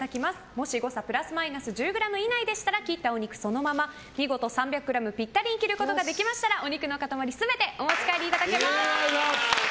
もし誤差プラスマイナス１０ｇ以内でしたら切ったお肉をそのまま見事３００ｇピッタリに切ることができましたらお肉の塊全てお持ち帰りいただけます。